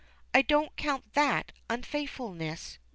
I don't count that unfaithfulness.